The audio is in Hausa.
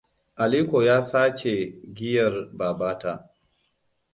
Aliko ya sace giyar babata.